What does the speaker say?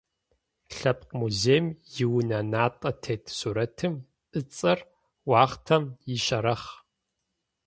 Лъэпкъ музейм иунэ натӏэ тет сурэтым ыцӏэр «Уахътэм ищэрэхъ».